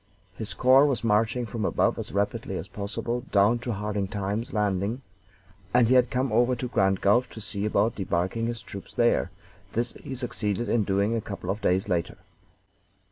His corps was marching from above as rapidly as possible down to Hard Times landing, and he had come over to Grand Gulf to see about debarking his troops there; this he succeeded in doing a couple of days later.